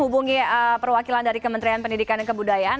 kami juga tadinya menghubungi perwakilan dari kementerian pendidikan dan kebudayaan